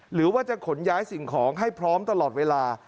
หรือว่าจะขนย้ายสิ่งของให้พร้อมตลอดเวลา